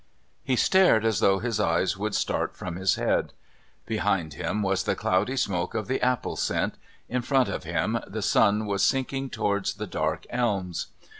He stared as though his eyes would start from his head. Behind him was the cloudy smoke of the apple scent; in front of him the sun was sinking towards the dark elms.